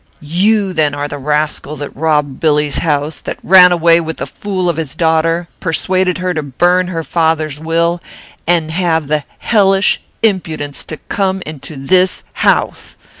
"You then are the rascal that robbed Billy's house; that ran away with the fool his daughter; persuaded her to burn her father's will, and have the hellish impudence to come into this house!